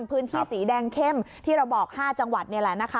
พื้นที่สีแดงเข้มที่เราบอก๕จังหวัดนี่แหละนะคะ